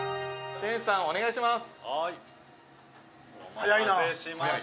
店主さん、お願いします。